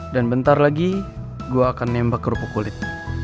dan bentar lagi gue akan nembak kerupuk kulit